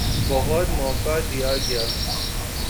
بہت موقع دیا گیا۔